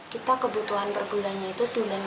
kita kebutuhan perbulannya itu sembilan belas kantong